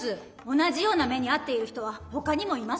同じような目にあっている人はほかにもいます。